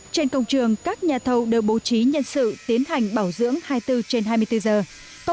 trên công trường các nhà thầu đều bố trí nhân sự tiến hành bảo dưỡng hai mươi bốn trên hai mươi bốn giờ